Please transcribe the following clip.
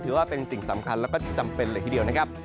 ถือว่าเป็นสิ่งสำคัญแล้วก็จำเป็นเลยทีเดียวนะครับ